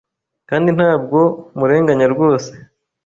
Kandi ntabwo murenganya rwose